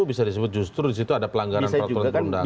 bisa disebut justru disitu ada pelanggaran peraturan perundangan